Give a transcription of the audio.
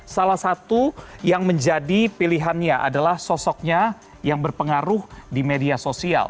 salah satu yang menjadi pilihannya adalah sosoknya yang berpengaruh di media sosial